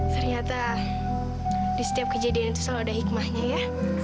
ternyata di setiap kejadian itu selalu ada hikmahnya ya